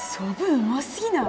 うますぎない？